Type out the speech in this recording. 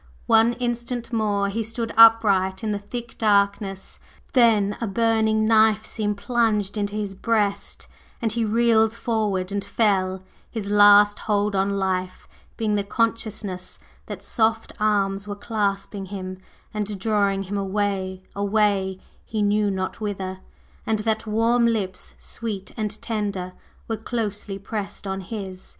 One instant more he stood upright in the thick darkness; then a burning knife seemed plunged into his breast, and he reeled forward and fell, his last hold on life being the consciousness that soft arms were clasping him and drawing him away away he knew not whither and that warm lips, sweet and tender, were closely pressed on his.